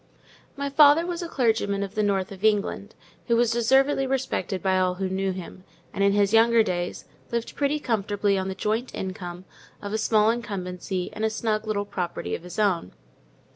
My father was a clergyman of the north of England, who was deservedly respected by all who knew him; and, in his younger days, lived pretty comfortably on the joint income of a small incumbency and a snug little property of his own.